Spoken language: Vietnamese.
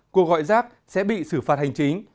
cô gọi rác sẽ bị xử phạt hành chính